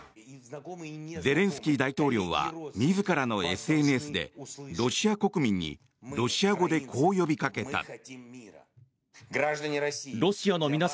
ゼレンスキー大統領は自らのＳＮＳでロシア国民にロシア語でこう呼びかけた。